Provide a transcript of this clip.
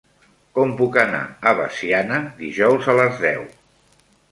Com puc anar a Veciana dijous a les deu?